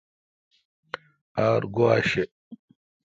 ار گوا شہ۔